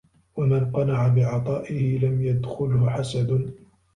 وَمَنْ قَنَعَ بِعَطَائِهِ لَمْ يَدْخُلْهُ حَسَدٌ